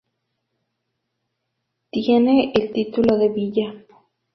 Tiene el título de villa.